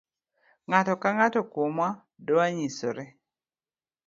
Ng'ato ka ng'ato kuomwa dwanyisre.